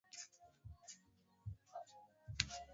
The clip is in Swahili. Maendeleo endelevu yamedhamiria katika miaka kumi na tano ijayo